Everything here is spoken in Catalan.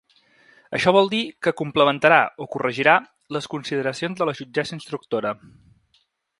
Això vol dir que complementarà o corregirà les consideracions de la jutgessa instructora.